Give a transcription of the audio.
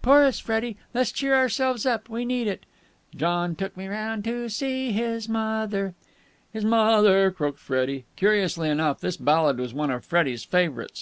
Chorus, Freddie! Let's cheer ourselves up! We need it!" John took me round to see his mother...! "His m o o other!" croaked Freddie. Curiously enough, this ballad was one of Freddie's favourites.